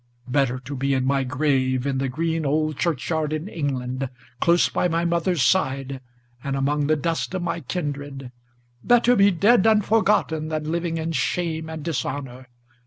Better to be in my grave in the green old churchyard in England, Close by my mother's side, and among the dust of my kindred; Better be dead and forgotten, than living in shame and dishonor!